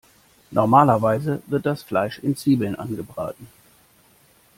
Normalerweise wird das Fleisch in Zwiebeln angebraten.